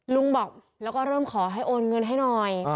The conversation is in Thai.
ลุงบอกแล้วก็เริ่มขอให้โอนเงินให้หน่อย